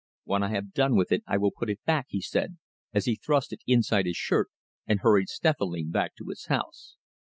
"When I have done with it I will put it back," he said, as he thrust it inside his shirt, and hurried stealthily back to his house.